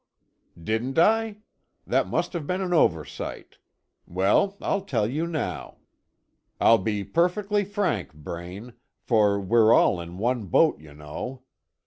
"Didn't I? That must have been an oversight. Well I'll tell you now. I'll be perfectly frank, Braine, for we're all in one boat you know.